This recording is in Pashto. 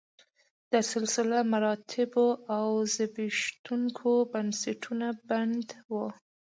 د سلسله مراتبو او زبېښونکو بنسټونو بڼه وه